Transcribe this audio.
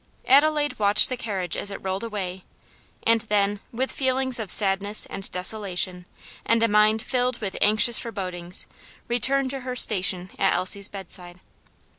Adelaide watched the carriage as it rolled away, and then, with feelings of sadness and desolation, and a mind filled with anxious forebodings, returned to her station at Elsie's bedside.